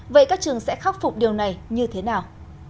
vậy các trường sẽ khắc phục điều này như thế nào